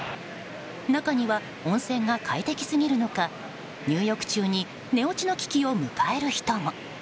中には温泉が快適すぎるのか入浴中に寝落ちの危機を迎える人も。